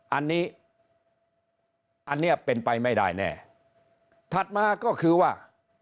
อันนี้อันนี้เป็นไปไม่ได้แน่ถัดมาก็คือว่า